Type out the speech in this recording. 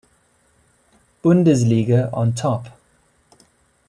Bundesliga on top.